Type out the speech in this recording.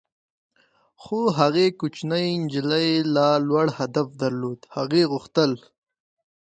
خو هغې کوچنۍ نجلۍ لا لوړ هدف درلود - هغې غوښتل.